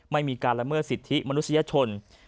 ไม่มีการละเมิดสิทธิมนุษยชน